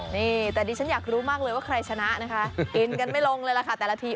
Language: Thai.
นี่แต่ดิฉันอยากรู้มากเลยว่าใครชนะนะคะกินกันไม่ลงเลยล่ะค่ะแต่ละที